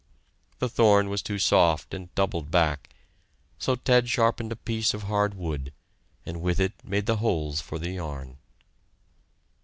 The thorn was too soft and doubled back, so Ted sharpened a piece of hard wood, and with it made the holes for the yarn.